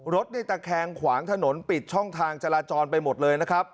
รถในตะแคงขวางถนนปิดช่องทางจราจรไปหมดเลยนะครับ